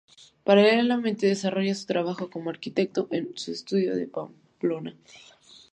Paralelamente desarrolla su trabajo como arquitecto en su estudio de Pamplona.